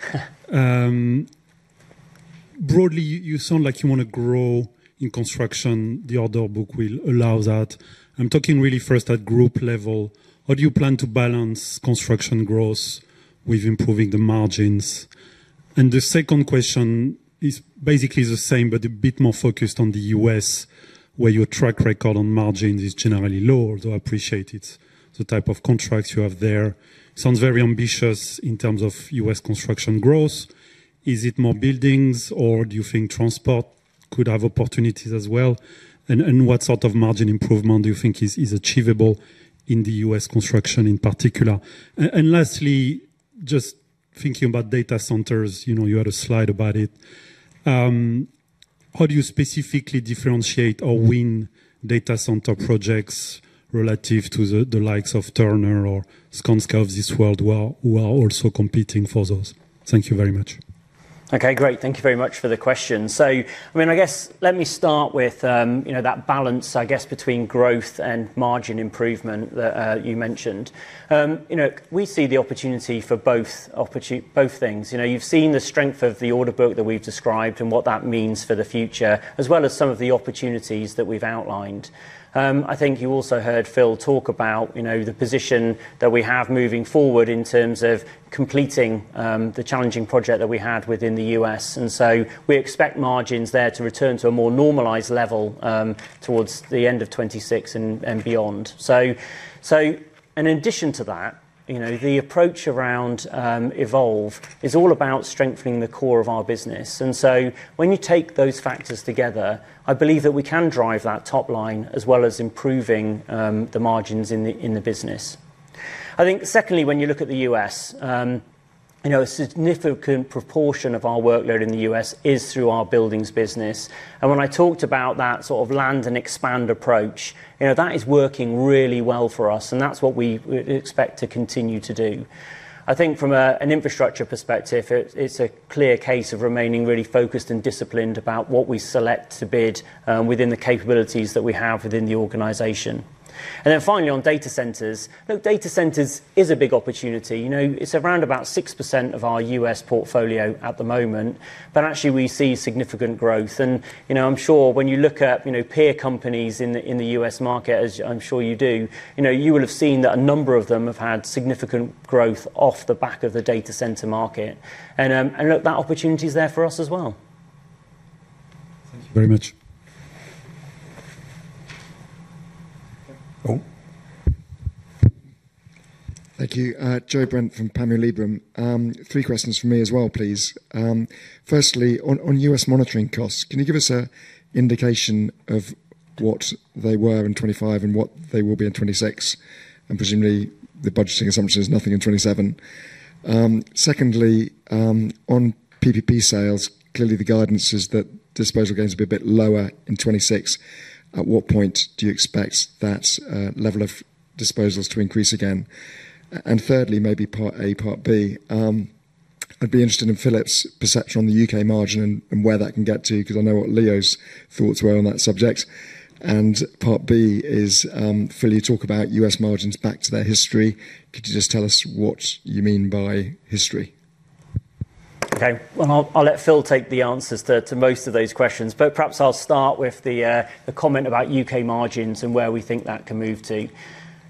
D: Broadly, you sound like you wanna grow in construction. The order book will allow that. I'm talking really first at group level. How do you plan to balance construction growth with improving the margins? The second question is basically the same, but a bit more focused on the U.S., where your track record on margins is generally lower, though I appreciate it's the type of contracts you have there. Sounds very ambitious in terms of U.S. construction growth. Is it more buildings or do you think transport could have opportunities as well? What sort of margin improvement do you think is achievable in the U.S. construction in particular? Lastly, just thinking about data centers, you know, you had a slide about it. How do you specifically differentiate or win data center projects relative to the likes of Turner or Skanska of this world who are also competing for those? Thank you very much.
A: Okay, great. Thank you very much for the question. I mean, I guess, let me start with, you know, that balance, I guess, between growth and margin improvement that you mentioned. You know, we see the opportunity for both things. You know, you've seen the strength of the order book that we've described and what that means for the future, as well as some of the opportunities that we've outlined. I think you also heard Phil talk about, you know, the position that we have moving forward in terms of completing the challenging project that we had within the U.S., We expect margins there to return to a more normalized level towards the end of 2026 and beyond. In addition to that, you know, the approach around evolve is all about strengthening the core of our business. When you take those factors together, I believe that we can drive that top line as well as improving the margins in the business. I think secondly, when you look at the U.S., you know, a significant proportion of our workload in the U.S., is through our buildings business. When I talked about that sort of land and expand approach, you know, that is working really well for us, and that's what we expect to continue to do. I think from an infrastructure perspective, it's a clear case of remaining really focused and disciplined about what we select to bid within the capabilities that we have within the organization. Finally, on data centers. Look, data centers is a big opportunity. You know, it's around about 6% of our U.S., portfolio at the moment, but actually we see significant growth. You know, I'm sure when you look at, you know, peer companies in the, in the U.S., market, as I'm sure you do, you know, you will have seen that a number of them have had significant growth off the back of the data center market. Look, that opportunity is there for us as well.
D: Thank you very much.
E: Thank you. Joe Brent from Panmure Liberum. Three questions from me as well, please. Firstly, on U.S., monitorship costs, can you give us an indication of what they were in 2025 and what they will be in 2026? Presumably, the budgeting assumption is nothing in 2027. Secondly, on PPP sales, clearly the guidance is that disposal gains will be a bit lower in 2026. At what point do you expect that level of disposals to increase again? And thirdly, maybe Part A, Part B, I'd be interested in Philip's perception on the U.K. margin and where that can get to, 'cause I know what Leo's thoughts were on that subject. Part B is, Phil, you talk about U.S., margins back to their history. Could you just tell us what you mean by history?
A: Okay. Well, I'll let Phil take the answers to most of those questions, but perhaps I'll start with the comment about U.K. margins and where we think that can move to.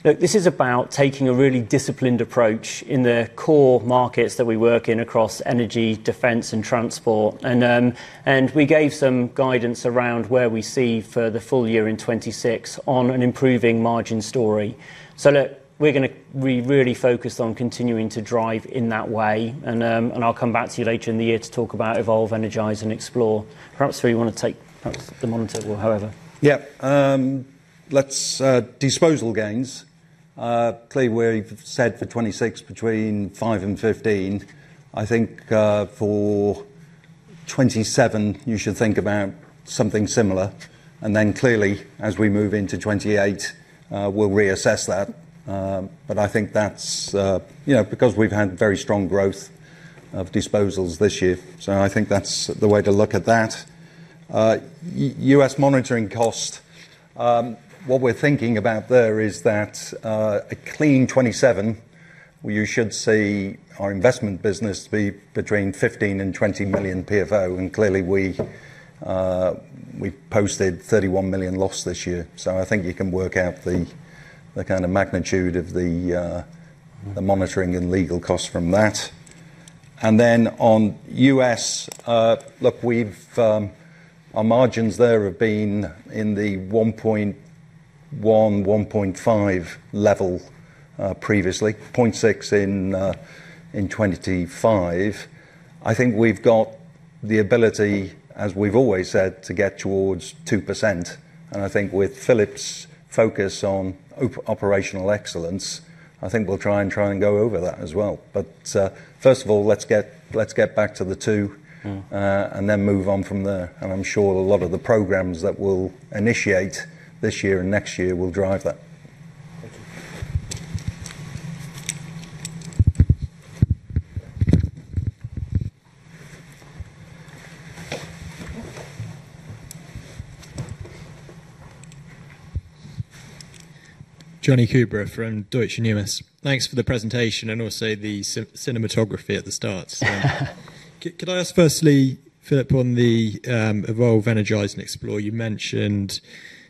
A: Look, this is about taking a really disciplined approach in the core markets that we work in across energy, defense, and transport. We gave some guidance around where we see for the full year in 2026 on an improving margin story. We're gonna be really focused on continuing to drive in that way and I'll come back to you later in the year to talk about evolve, energize, and explore. Perhaps, Phil, you wanna take the monitorship.
B: Yeah. Let's disposal gains. Clearly, we've said for 2026 between 5 million and 15 million. I think for 2027 you should think about something similar. Clearly, as we move into 2028, we'll reassess that. I think that's you know, because we've had very strong growth of disposals this year. I think that's the way to look at that. U.S., monitoring cost, what we're thinking about there is that a clean 2027, you should see our investment business be between 15 million and 20 million P&L. Clearly we posted 31 million loss this year. I think you can work out the kind of magnitude of the monitoring and legal costs from that. On U.S., look, we've our margins there have been in the 1.1.5 level, previously, 0.6 in 2025. I think we've got the ability, as we've always said, to get towards 2%. I think with Philip's focus on operational excellence, I think we'll try and go over that as well. First of all, let's get back to the two.
E: Mm-hmm
B: Then move on from there. I'm sure a lot of the programs that we'll initiate this year and next year will drive that.
E: Thank you.
F: Jonny Coubrough from Deutsche Numis. Thanks for the presentation and also the cinematography at the start. Could I ask firstly, Philip, on the Evolve, Energize, and Explore, you mentioned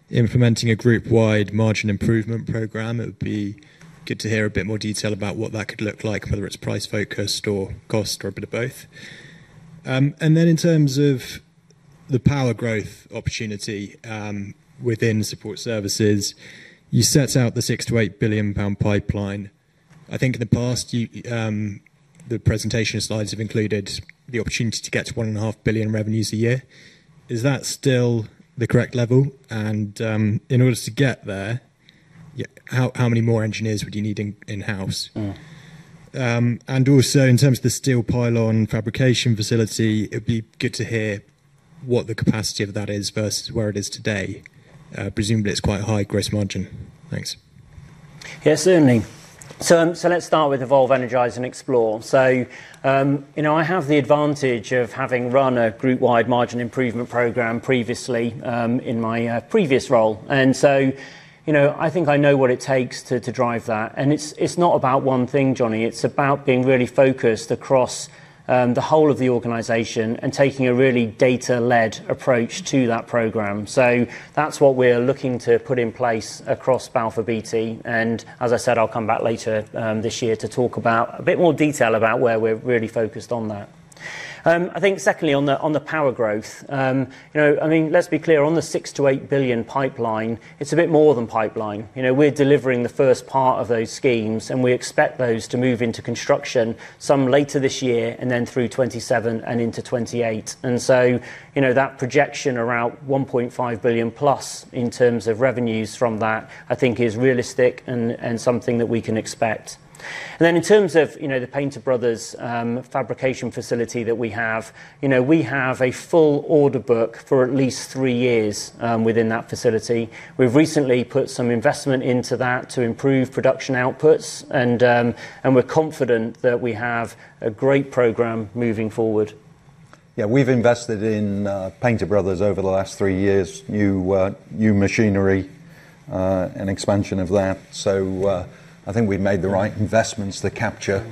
F: implementing a group-wide margin improvement program. It would be good to hear a bit more detail about what that could look like, whether it's price focused or cost, or a bit of both. Then in terms of the power growth opportunity, within support services, you set out the 6 billion-8 billion pound pipeline. I think in the past, the presentation slides have included the opportunity to get to 1.5 billion revenues a year. Is that still the correct level? In order to get there, how many more engineers would you need in-house?
A: Mm.
F: In terms of the steel pylon fabrication facility, it'd be good to hear what the capacity of that is versus where it is today? Presumably it's quite high gross margin. Thanks.
A: Yeah, certainly. Let's start with Evolve, Energize and Explore. You know, I have the advantage of having run a group-wide margin improvement program previously, in my previous role. You know, I think I know what it takes to drive that. It's not about one thing, Jonny. It's about being really focused across the whole of the organization and taking a really data-led approach to that program. That's what we're looking to put in place across Balfour Beatty. As I said, I'll come back later this year to talk about a bit more detail about where we're really focused on that. I think secondly, on the power growth, you know, I mean, let's be clear. On the 6 billion-8 billion pipeline, it's a bit more than pipeline. You know, we're delivering the first part of those schemes, and we expect those to move into construction sometime later this year and then through 2027 and into 2028. You know, that projection around 1.5 billion+ in terms of revenues from that, I think is realistic and something that we can expect. In terms of you know, the Painter Brothers fabrication facility that we have, you know, we have a full order book for at least three years within that facility. We've recently put some investment into that to improve production outputs and we're confident that we have a great program moving forward.
B: Yeah. We've invested in Painter Brothers over the last three years, new machinery, and expansion of that. I think we've made the right investments to capture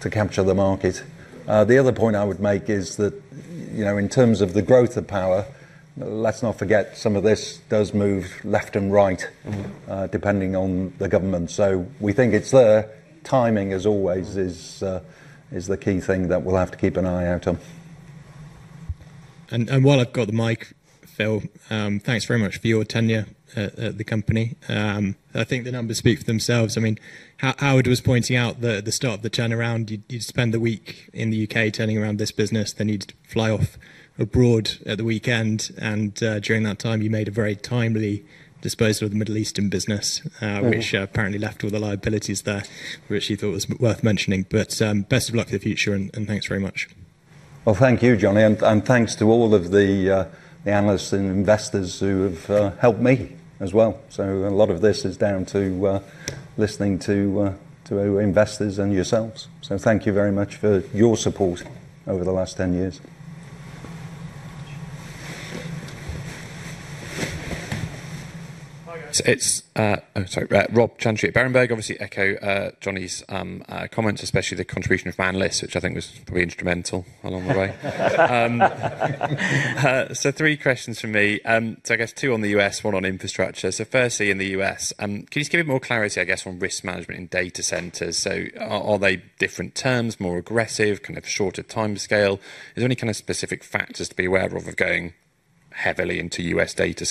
B: the market. The other point I would make is that, you know, in terms of the growth of power, let's not forget some of this does move left and right.
A: Mm-hmm
B: Depending on the government. We think it's there. Timing, as always, is the key thing that we'll have to keep an eye out on.
F: While I've got the mic, Phil, thanks very much for your tenure at the company. I think the numbers speak for themselves. I mean, Howard was pointing out the start, the turnaround. You'd spend the week in the U.K. turning around this business, then you'd fly off abroad at the weekend. During that time, you made a very timely disposal of the Middle Eastern business.
B: Mm.
F: Which apparently left all the liabilities there, which he thought was worth mentioning. Best of luck for the future and thanks very much.
B: Well, thank you, Jonny. Thanks to all of the analysts and investors who have helped me as well. A lot of this is down to listening to investors and yourselves. Thank you very much for your support over the last 10 years.
G: Hi, guys. It's Robert Chantry at Berenberg. Obviously, echo Jonny Coubrough's comments, especially the contribution of analysts, which I think was pretty instrumental along the way. Three questions from me. I guess two on the U.S., one on infrastructure. Firstly, in the U.S., can you just give it more clarity, I guess, on risk management in data centers? Are they different terms, more aggressive, kind of shorter timescale? Is there any kind of specific factors to be aware of, going heavily into U.S. data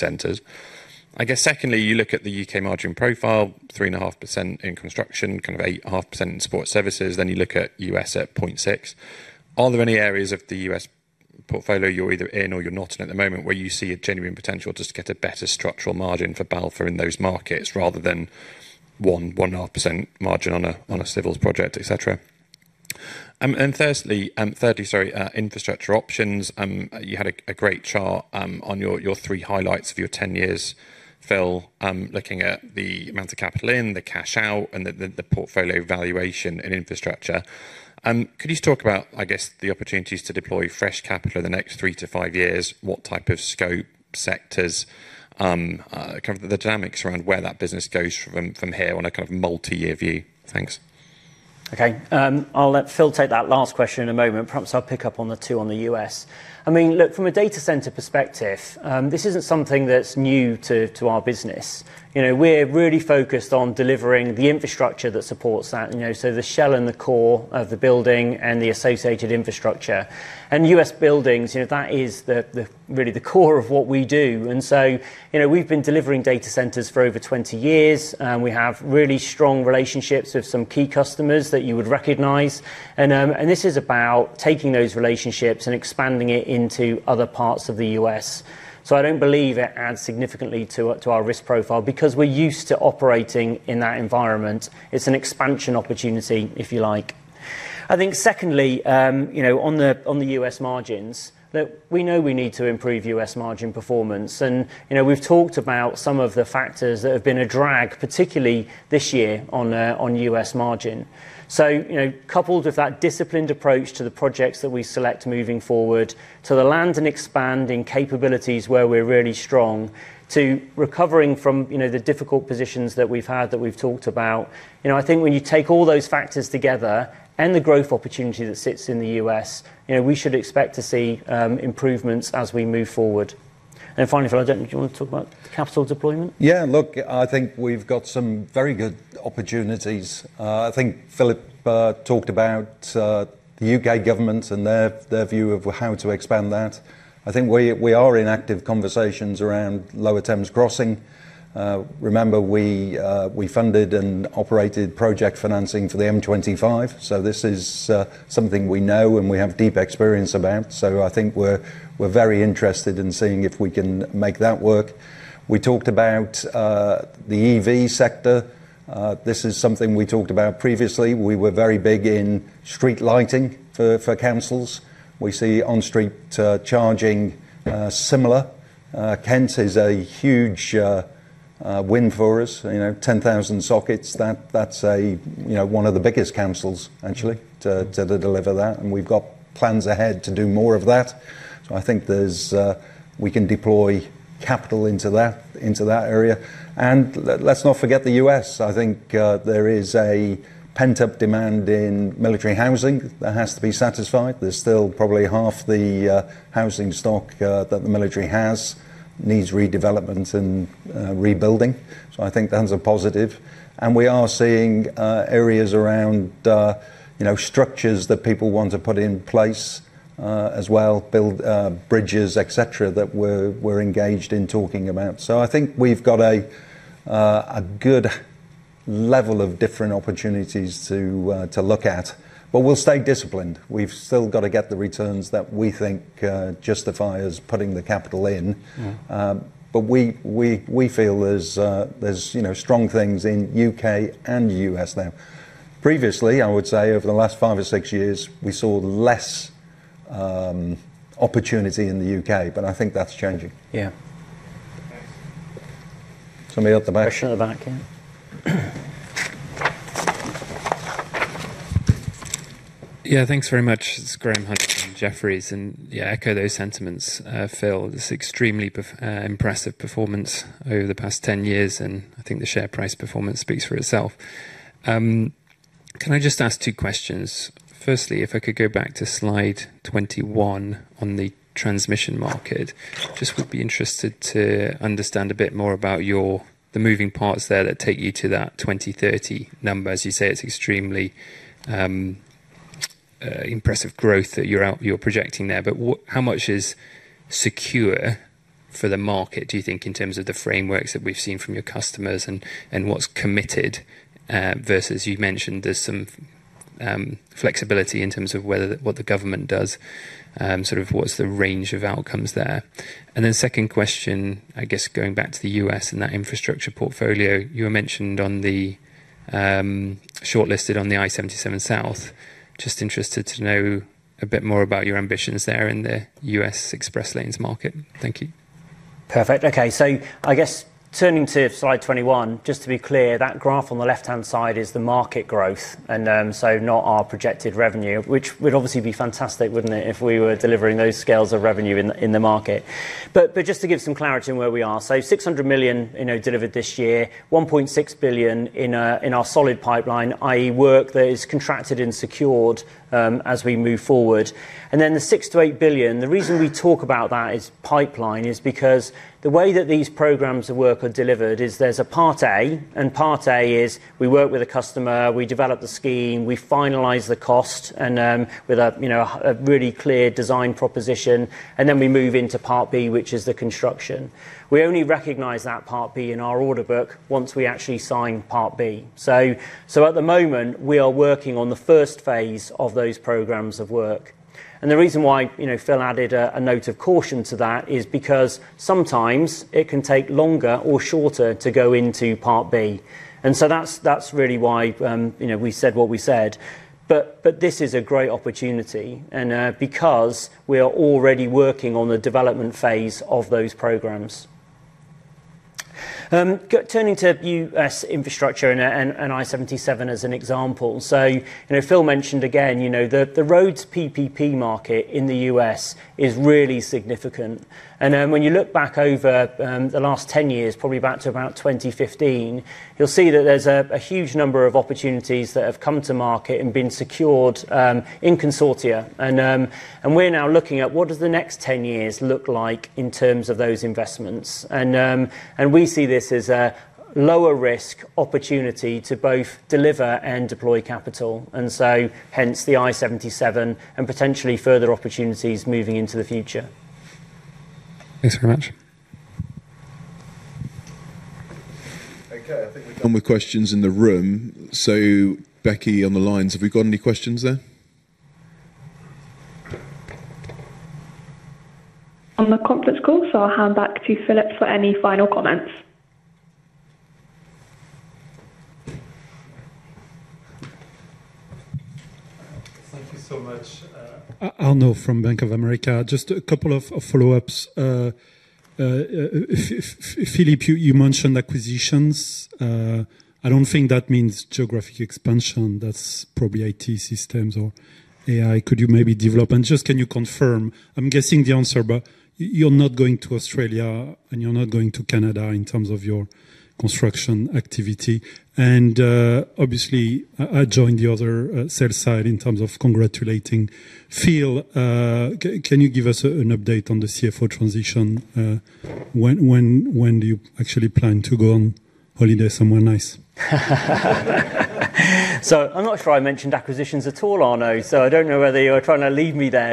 G: centers? Secondly, you look at the U.K. margin profile, 3.5% in construction, kind of 8.5% in support services. Then you look at U.S. at 0.6%. Are there any areas of the U.S. Portfolio you're either in or you're not in at the moment where you see a genuine potential just to get a better structural margin for Balfour in those markets rather than 1%-1.5% margin on a civils project, et cetera? Thirdly, sorry, infrastructure options. You had a great chart on your three highlights of your 10 years, Phil, looking at the amount of capital in, the cash out, and the portfolio valuation and infrastructure. Could you talk about, I guess, the opportunities to deploy fresh capital in the next three to five years? What type of scope, sectors, kind of the dynamics around where that business goes from here on a kind of multi-year view? Thanks.
A: Okay. I'll let Phil take that last question in a moment. Perhaps I'll pick up on the two on the U.S. I mean, look, from a data center perspective, this isn't something that's new to our business. You know, we're really focused on delivering the infrastructure that supports that, you know, so the shell and core of the building and the associated infrastructure. U.S. buildings, you know, that is really the core of what we do. You know, we've been delivering data centers for over 20 years, and we have really strong relationships with some key customers that you would recognize. This is about taking those relationships and expanding it into other parts of the U.S. I don't believe it adds significantly to our risk profile because we're used to operating in that environment. It's an expansion opportunity, if you like. I think secondly, you know, on the U.S. margins. Look, we know we need to improve U.S. margin performance. You know, we've talked about some of the factors that have been a drag, particularly this year on U.S. margin. You know, coupled with that disciplined approach to the projects that we select moving forward, to the land and expand capabilities where we're really strong, to recovering from, you know, the difficult positions that we've had, that we've talked about. You know, I think when you take all those factors together and the growth opportunity that sits in the U.S., you know, we should expect to see improvements as we move forward. Finally, Phil, I don't know if you want to talk about capital deployment.
B: Yeah, look, I think we've got some very good opportunities. I think Philip talked about the U.K. government and their view of how to expand that. I think we are in active conversations around Lower Thames Crossing. Remember we funded and operated project financing for the M25, so this is something we know and we have deep experience about. I think we're very interested in seeing if we can make that work. We talked about the EV sector. This is something we talked about previously. We were very big in street lighting for councils. We see on-street charging similar. Kent is a huge win for us, you know, 10,000 sockets. That's a, you know, one of the biggest councils actually to deliver that. We've got plans ahead to do more of that. I think there's we can deploy capital into that, into that area. Let's not forget the U.S. I think there is a pent-up demand in military housing that has to be satisfied. There's still probably half the housing stock that the military has, needs redevelopment and rebuilding. I think that's a positive. We are seeing areas around, you know, structures that people want to put in place, as well, build bridges, etc., that we're engaged in talking about. I think we've got a good level of different opportunities to look at. But we'll stay disciplined. We've still got to get the returns that we think justifies putting the capital in.
G: Mm-hmm.
B: We feel there's you know strong things in U.K. and U.S. now. Previously, I would say over the last five or six years, we saw less opportunity in the U.K., but I think that's changing.
A: Yeah.
G: Thanks.
B: Somebody at the back.
A: Person at the back, yeah.
H: Yeah, thanks very much. It's Graham Hunt from Jefferies. Yeah, echo those sentiments, Phil, this extremely impressive performance over the past 10 years, and I think the share price performance speaks for itself. Can I just ask two questions? Firstly, if I could go back to slide 21 on the transmission market. Just would be interested to understand a bit more about your, the moving parts there that take you to that 2030 number. As you say, it's extremely impressive growth that you're projecting there. But how much is secure for the market, do you think, in terms of the frameworks that we've seen from your customers and what's committed versus you've mentioned there's some flexibility in terms of whether what the government does sort of what's the range of outcomes there? Second question, I guess going back to the U.S. and that infrastructure portfolio. You were mentioned on the shortlisted on the I-77 South. Just interested to know a bit more about your ambitions there in the U.S. express lanes market. Thank you.
A: Perfect. Okay, so I guess turning to slide 21, just to be clear, that graph on the left-hand side is the market growth and so not our projected revenue, which would obviously be fantastic, wouldn't it, if we were delivering those scales of revenue in the market. But just to give some clarity on where we are. 600 million, you know, delivered this year, 1.6 billion in our solid pipeline, i.e. work that is contracted and secured, as we move forward. Then the 6 billion-8 billion. The reason we talk about that is pipeline is because the way that these programs of work are delivered is there's a Part A, and Part A is we work with a customer, we develop the scheme, we finalize the cost, and with a, you know, a really clear design proposition, and then we move into Part B, which is the construction. We only recognize that Part B in our order book once we actually sign Part B. At the moment, we are working on the first phase of those programs of work. The reason why, you know, Phil added a note of caution to that is because sometimes it can take longer or shorter to go into Part B. That's really why, you know, we said what we said. This is a great opportunity and because we are already working on the development phase of those programs. Turning to U.S. infrastructure and I-77 as an example. You know, Phil mentioned again, you know, the roads PPP market in the U.S. is really significant. When you look back over the last 10 years, probably back to about 2015, you'll see that there's a huge number of opportunities that have come to market and been secured in consortia. We're now looking at what does the next 10 years look like in terms of those investments. We see this as a lower risk opportunity to both deliver and deploy capital, and hence the I-77 and potentially further opportunities moving into the future.
H: Thanks very much.
C: Okay, I think we're done with questions in the room. Becky on the lines, have we got any questions there?
I: On the conference call, so I'll hand back to Philip for any final comments.
J: Thank you so much. Arnaud Lehmann from Bank of America. Just a couple of follow-ups. Philip, you mentioned acquisitions. I don't think that means geographic expansion. That's probably IT systems or AI. Could you maybe develop? Just can you confirm, I'm guessing the answer, but you're not going to Australia and you're not going to Canada in terms of your construction activity. Obviously, I join the others in congratulating. Phil, can you give us an update on the Chief Financial Officer transition? When do you actually plan to go on holiday somewhere nice?
A: I'm not sure I mentioned acquisitions at all, Arnaud, so I don't know whether you're trying to lead me there.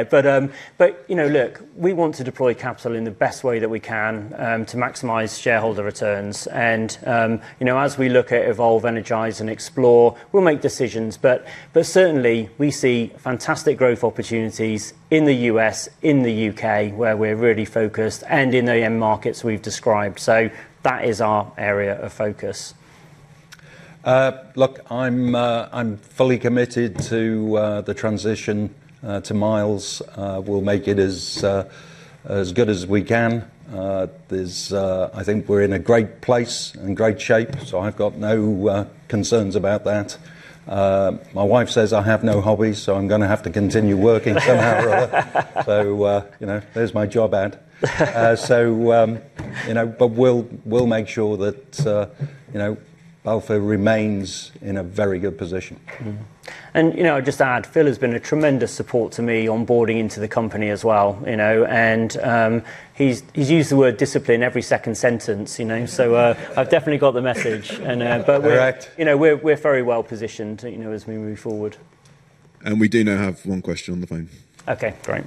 A: You know, look, we want to deploy capital in the best way that we can to maximize shareholder returns. You know, as we look at Evolve, Energize, and Explore, we'll make decisions. Certainly, we see fantastic growth opportunities in the U.S., in the U.K. where we're really focused, and in the end markets we've described. That is our area of focus.
B: Look, I'm fully committed to the transition to Miles. We'll make it as good as we can. I think we're in a great place, in great shape, so I've got no concerns about that. My wife says I have no hobbies, so I'm gonna have to continue working somehow or other. You know, there's my job ad. You know, but we'll make sure that you know, Balfour remains in a very good position.
A: Mm-hmm. You know, just to add, Phil has been a tremendous support to me onboarding into the company as well, you know. He's used the word discipline every second sentence, you know. I've definitely got the message.
B: Correct.
A: You know, we're very well positioned, you know, as we move forward.
C: We do now have one question on the phone.
A: Okay, great.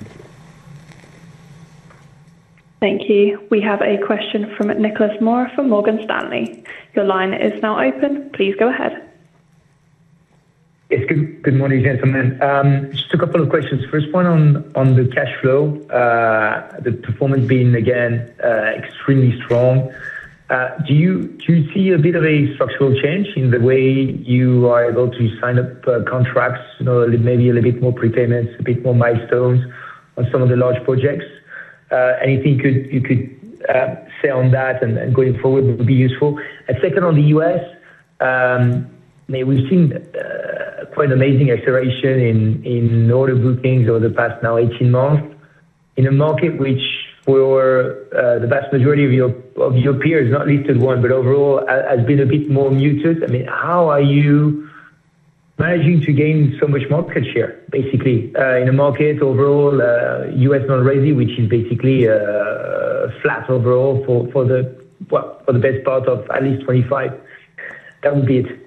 I: Thank you. We have a question from Nicolas Mora from Morgan Stanley. Your line is now open. Please go ahead.
K: Yes. Good morning, gentlemen. Just a couple of questions. First one on the cash flow. The performance being again extremely strong. Do you see a bit of a structural change in the way you are able to sign up contracts? You know, maybe a little bit more prepayments, a bit more milestones on some of the large projects. Anything you could say on that and going forward would be useful. Second on the U.S., I mean, we've seen quite amazing acceleration in order bookings over the past now 18 months. In a market which for the vast majority of your peers, not least of one, but overall has been a bit more muted. I mean, how are you managing to gain so much market share basically in a market overall US non-residential, which is basically flat overall for the best part of at least 25. That would be it.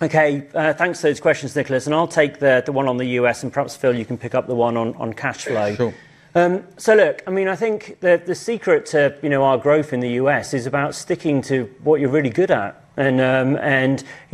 A: Okay. Thanks for those questions, Nicholas. I'll take the one on the U.S., and perhaps, Phil, you can pick up the one on cash flow.
B: Sure.
A: Look, I mean, I think the secret to, you know, our growth in the US is about sticking to what you're really good at. You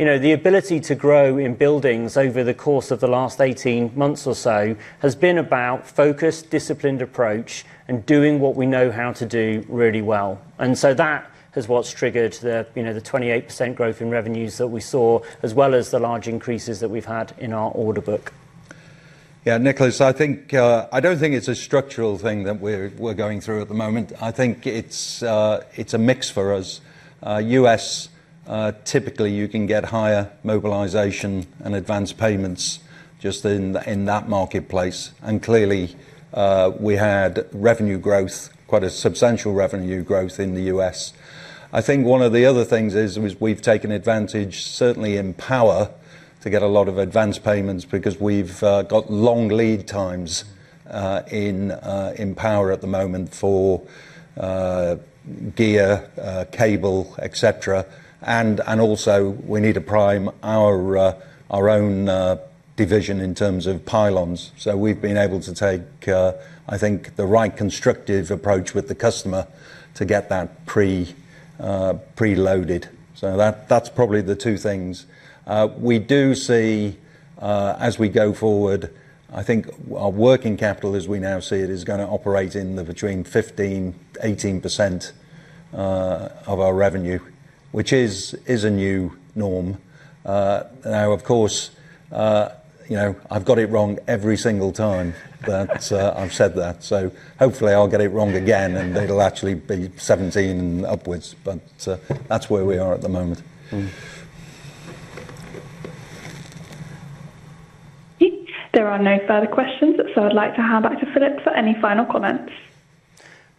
A: know, the ability to grow in buildings over the course of the last 18 months or so has been about focused, disciplined approach and doing what we know how to do really well. That is what's triggered the, you know, the 28% growth in revenues that we saw, as well as the large increases that we've had in our order book.
B: Yeah, Nicholas, I think I don't think it's a structural thing that we're going through at the moment. I think it's a mix for us. U.S., typically you can get higher mobilization and advanced payments just in that marketplace. Clearly, we had revenue growth, quite a substantial revenue growth in the U.S. I think one of the other things is we've taken advantage, certainly in power, to get a lot of advanced payments because we've got long lead times in power at the moment for gear, cable, etc., Also we need to prime our own division in terms of pylons. We've been able to take, I think the right constructive approach with the customer to get that preloaded. That, that's probably the two things. We do see, as we go forward, I think our working capital as we now see it is gonna operate in the between 15%-18% of our revenue, which is a new norm. Now of course, you know, I've got it wrong every single time that I've said that. Hopefully I'll get it wrong again, and it'll actually be 17% upwards, but that's where we are at the moment.
I: There are no further questions, so I'd like to hand back to Philip for any final comments.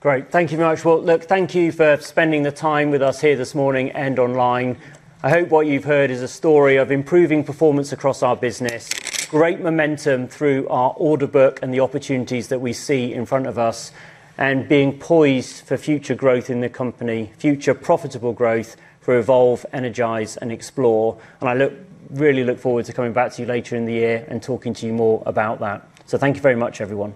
A: Great. Thank you very much. Well, look, thank you for spending the time with us here this morning and online. I hope what you've heard is a story of improving performance across our business, great momentum through our order book and the opportunities that we see in front of us, and being poised for future growth in the company, future profitable growth for Evolve, Energize and Explore. I really look forward to coming back to you later in the year and talking to you more about that. Thank you very much, everyone.